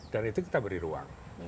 dan itu kita beri ruang